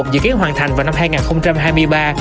dự kiến hoàn thành vào năm hai nghìn hai mươi ba